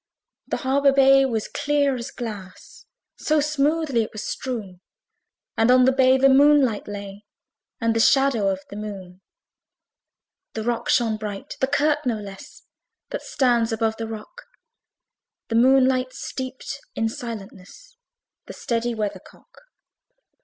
The harbour bay was clear as glass, So smoothly it was strewn! And on the bay the moonlight lay, And the shadow of the moon. The rock shone bright, the kirk no less, That stands above the rock: The moonlight steeped in silentness The steady weathercock.